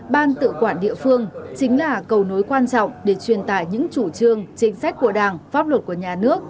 ban tự quản địa phương chính là cầu nối quan trọng để truyền tải những chủ trương chính sách của đảng pháp luật của nhà nước